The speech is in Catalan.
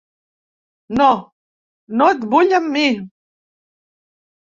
No, no et vull amb mi.